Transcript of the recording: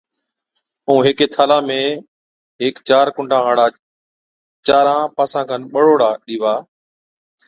ائُون ھيڪ ٿالھا ۾ ھيڪ چاران ڪُنڊان ھاڙا چاران پاسان کن ٻَڙوڙا ڏِيوا،